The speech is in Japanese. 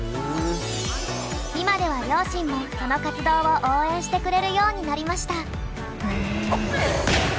今では両親もその活動を応援してくれるようになりました。